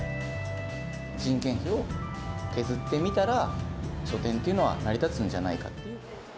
人件費を削ってみたら、書店っていうのは、成り立つんじゃないかっていう。